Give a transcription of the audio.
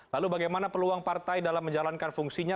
lalu bagaimana peluang partai dalam menjalankan fungsinya